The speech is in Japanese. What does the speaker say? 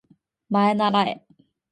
まえならえ